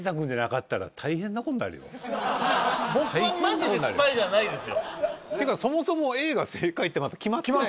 っていうかそもそもＡが正解ってまだ決まってないから。